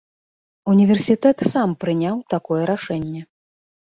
Універсітэт сам прыняў такое рашэнне.